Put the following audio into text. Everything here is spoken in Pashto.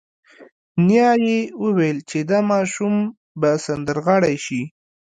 نیا یې وویل چې دا ماشوم به سندرغاړی شي